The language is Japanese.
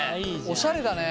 おしゃれだね。